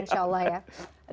insya allah ya